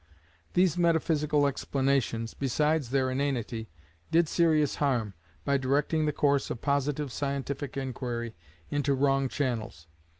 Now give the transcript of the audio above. These metaphysical explanations, besides their inanity, did serious harm, by directing the course of positive scientific inquiry into wrong channels.